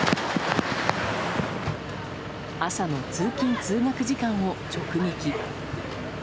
朝の通勤・通学時間を直撃。